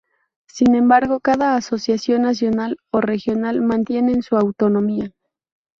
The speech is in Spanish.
Sin embargo cada asociación nacional o regional mantienen su autonomía.